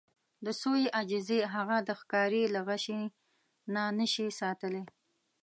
د سویې عاجزي هغه د ښکاري له غشي نه شي ساتلی.